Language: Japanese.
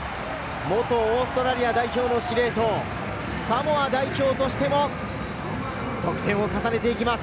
元オーストラリア代表の司令塔、サモア代表としても得点を重ねていきます。